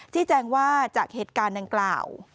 แจ้งว่าจากเหตุการณ์ดังกล่าว